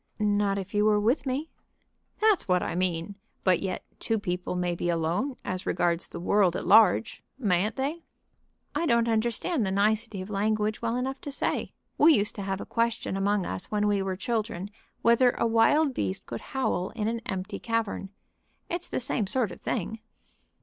"Not if you were with me." "That's what I mean. But yet two people may be alone, as regards the world at large. Mayn't they?" "I don't understand the nicety of language well enough to say. We used to have a question among us when we were children whether a wild beast could howl in an empty cavern. It's the same sort of thing."